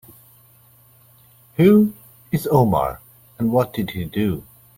Who is Omar and what did he do?